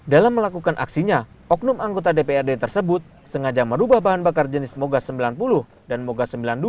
dalam melakukan aksinya oknum anggota dprd tersebut sengaja merubah bahan bakar jenis moga sembilan puluh dan moga sembilan puluh dua